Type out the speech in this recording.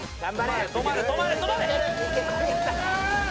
止まれ止まれ止まれ。